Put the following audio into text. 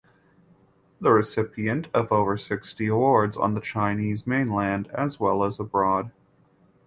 The recipient of over sixty awards on the Chinese mainland as well as abroad.